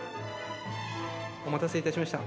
お待たせいたしました。